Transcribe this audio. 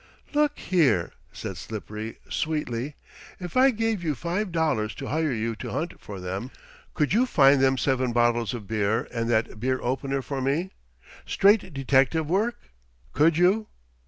"Look here!" said Slippery sweetly. "If I gave you five dollars to hire you to hunt for them, could you find them seven bottles of beer and that beer opener, for me? Straight detective work? Could you?"